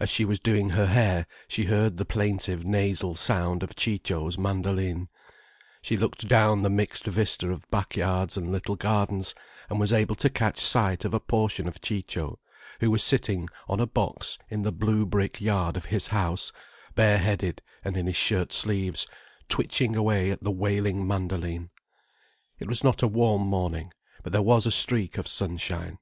As she was doing her hair, she heard the plaintive nasal sound of Ciccio's mandoline. She looked down the mixed vista of back yards and little gardens, and was able to catch sight of a portion of Ciccio, who was sitting on a box in the blue brick yard of his house, bare headed and in his shirt sleeves, twitching away at the wailing mandoline. It was not a warm morning, but there was a streak of sunshine.